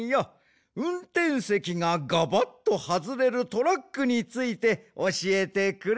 うんてんせきがガバッとはずれるトラックについておしえてくれ。